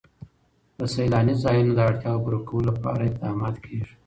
د سیلاني ځایونو د اړتیاوو پوره کولو لپاره اقدامات کېږي.